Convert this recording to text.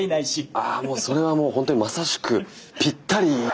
ああそれはもう本当にまさしくぴったり。